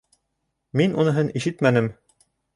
Мин уныһын ишетмәнем.